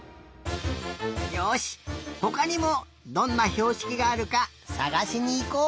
よしほかにもどんなひょうしきがあるかさがしにいこう！